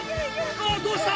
あっどうした？